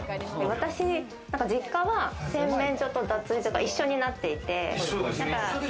私、実家は洗面所と脱衣所が一緒になっていて。